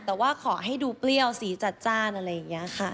แต่ว่าขอให้ดูเปรี้ยวสีจัดจ้านอะไรอย่างนี้ค่ะ